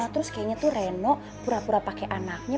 terus kayaknya tuh reno pura pura pakai anaknya